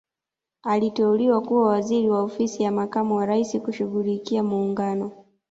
Aliteuliwa kuwa waziri wa ofisi ya makamu wa Raisi kushughulikia muungano